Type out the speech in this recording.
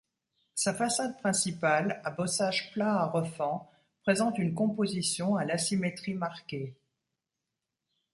Sa façade principale, à bossages plats à refends, présente une composition à l'asymétrie marquée.